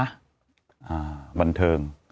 อ่าบันเทิง